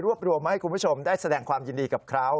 รวมมาให้คุณผู้ชมได้แสดงความยินดีกับเขา